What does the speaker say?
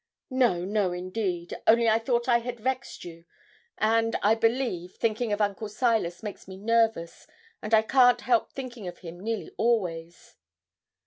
'No, no, indeed only I thought I had vexed you; and, I believe, thinking of Uncle Silas makes me nervous, and I can't help thinking of him nearly always.'